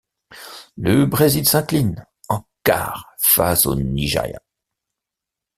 Le Brésil s'incline en quart face au Nigeria.